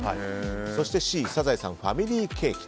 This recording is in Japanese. そして、Ｃサザエさんファミリーケーキ。